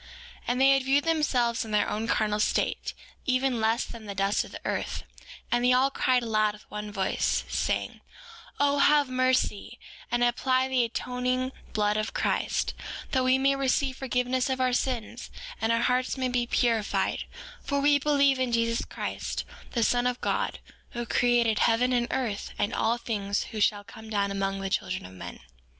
4:2 And they had viewed themselves in their own carnal state, even less than the dust of the earth. And they all cried aloud with one voice, saying: O have mercy, and apply the atoning blood of Christ that we may receive forgiveness of our sins, and our hearts may be purified; for we believe in Jesus Christ, the Son of God, who created heaven and earth, and all things; who shall come down among the children of men.